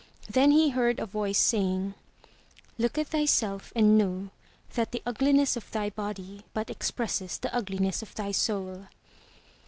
Then he heard a voice saying: "Look at thyself and know that the ugliness of thy body but expresses the ugliness of thy soul.